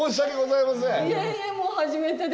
いえいえもう初めてで。